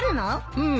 うん。